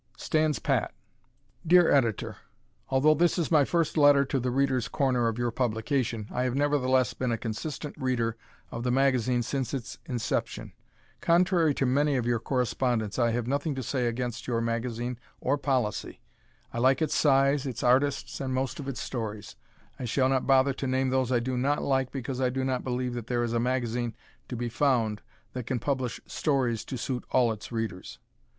Stands Pat Dear Editor: Although this is my first letter to "The Readers' Corner" of your publication, I have nevertheless been a consistent Reader of the magazine since its inception. Contrary to many of your correspondents I have nothing to say against your magazine or policy. I like its size, its artists and most of its stories. I shall not bother to name those I do not like because I do not believe that there is a magazine to be found that can publish stories to suit all its Readers.